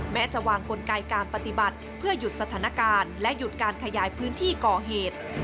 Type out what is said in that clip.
แม้จะวางกลไกการปฏิบัติเพื่อหยุดสถานการณ์และหยุดการขยายพื้นที่ก่อเหตุ